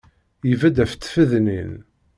Ibedd af tfednin.